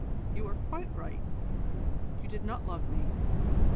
You are quite right. You did not love me.